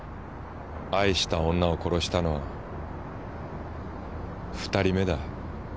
愛した女を殺したのは２人目だ。